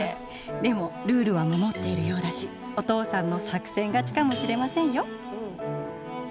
でもルールは守っているようだしお父さんの作戦勝ちかもしれませんよ。